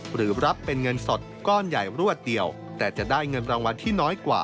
หรือรับเป็นเงินสดก้อนใหญ่รวดเดียวแต่จะได้เงินรางวัลที่น้อยกว่า